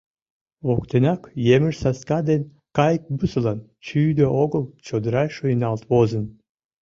Воктенак емыж-саска ден кайыквусылан чӱдӧ огыл чодыра шуйналт возын.